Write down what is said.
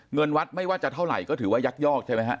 เงินวัดไม่ว่าจะเท่าไหร่ก็ถือว่ายักยอกใช่ไหมฮะ